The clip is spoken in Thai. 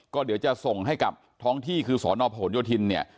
ก็เดี๋ยวจะส่งให้กับท้องที่คือสพโยธินย์